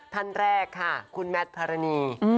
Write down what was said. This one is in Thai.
ท่านแรกค่ะคุณแมทพารณี